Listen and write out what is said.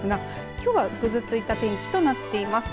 きょうはぐずついた天気となっています。